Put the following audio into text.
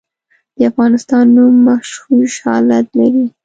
د افغانستان نوم مغشوش حالت لري.